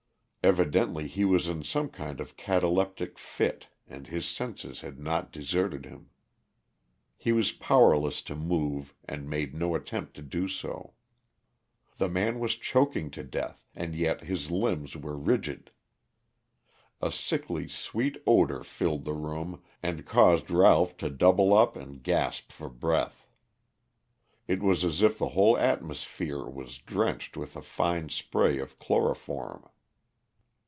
Evidently he was in some kind of cataleptic fit and his senses had not deserted him. He was powerless to move and made no attempt to do so. The man was choking to death and yet his limbs were rigid. A sickly sweet odor filled the room and caused Ralph to double up and gasp for breath. It was as if the whole atmosphere was drenched with a fine spray of chloroform.